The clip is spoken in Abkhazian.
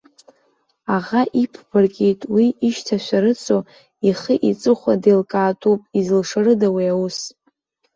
Аӷа иԥба ркит, уи ишьҭашәарыцо, ихы-иҵыхәа деилкаатәуп изылшарыда уи аус?